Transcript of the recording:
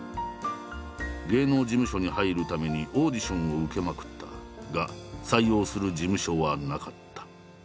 芸能事務所に入るためにオーディションを受けまくったが採用する事務所はなかった。